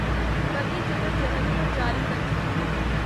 پنی جدوجہد کو جاری رکھیں